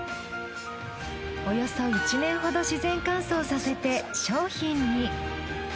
およそ１年ほど自然乾燥させて商品に。